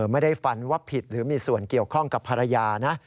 ไม่ได้ฟันว่าผิดหรือมีส่วนเกี่ยวข้องกับภรรยานะ